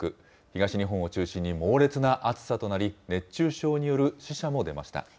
東日本を中心に猛烈な暑さとなり、熱中症による死者も出ました。